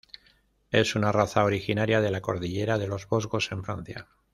Es una raza originaria de la Cordillera de los Vosgos en Francia.